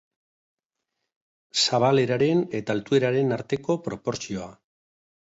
Zabaleraren eta altueraren arteko proportzioa.